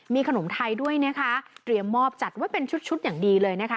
มีขนมไทยด้วยนะคะเตรียมมอบจัดไว้เป็นชุดชุดอย่างดีเลยนะคะ